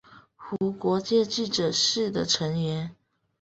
无国界记者是的成员。